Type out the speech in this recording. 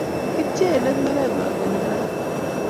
kipchei ilet mbareng'wany konyil oeng'